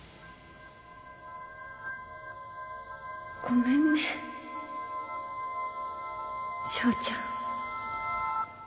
ごめんね祥ちゃん。